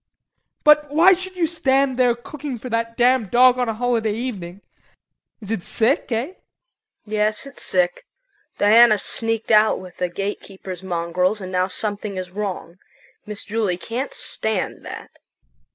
But why should you stand there cooking for that damned dog on a holiday evening? Is it sick, eh? KRISTIN. Yes, it's sick. Diana sneaked out with the gatekeeper's mongrels and now something is wrong. Miss Julie can't stand that.